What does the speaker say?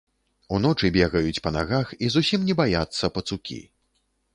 Уночы бегаюць па нагах і зусім не баяцца пацукі.